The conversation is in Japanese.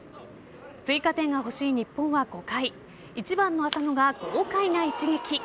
追加点が欲しい日本は５回１番の浅野が豪快な一撃。